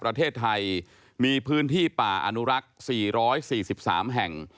ประเทศไทยมีพื้นที่ป่าอนุรักษ์๔๔๓แห่ง